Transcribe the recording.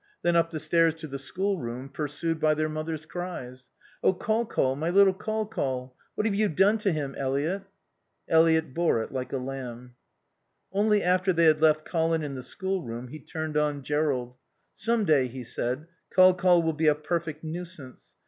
Then up the stairs to the schoolroom, pursued by their mother's cries. "Oh Col Col, my little Col Col! What have you done to him, Eliot?" Eliot bore it like a lamb. Only after they had left Colin in the schoolroom, he turned on Jerrold. "Some day," he said, "Col Col will be a perfect nuisance.